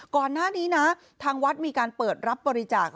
ก่อนหน้านี้นะทางวัดมีการเปิดรับบริจาค